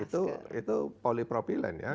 itu itu polypropylen ya